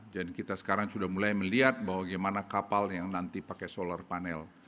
dan kita sekarang sudah mulai melihat bahwa bagaimana kapal yang nanti pakai solar panel